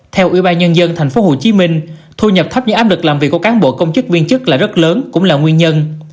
theo ủy ban nhân dân tp hcm thu nhập thấp do áp lực làm việc của cán bộ công chức viên chức là rất lớn cũng là nguyên nhân